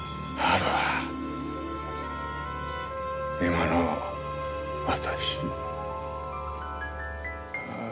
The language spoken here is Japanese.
今の私。